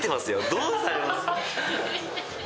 どうされます？